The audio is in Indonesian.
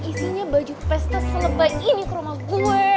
isinya baju peste selebay ini ke rumah gue